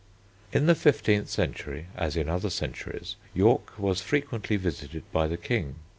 In the fifteenth century, as in other centuries, York was frequently visited by the King.